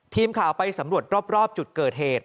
ทีมข่าวไปสำรวจรอบจุดเกิดเหตุ